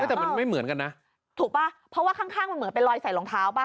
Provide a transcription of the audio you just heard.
แต่มันไม่เหมือนกันนะถูกป่ะเพราะว่าข้างข้างมันเหมือนเป็นรอยใส่รองเท้าป่ะ